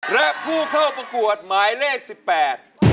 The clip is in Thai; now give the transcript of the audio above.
และผู้เข้าประกวดหมายเลข๑๘